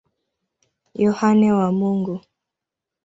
Yohane wa Mungu.